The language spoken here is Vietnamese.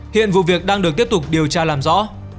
hiện vụ việc đang được tiếp tục điều tra làm rõ